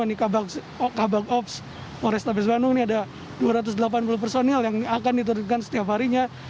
di kabak ops polrestabes bandung ini ada dua ratus delapan puluh personil yang akan diturunkan setiap harinya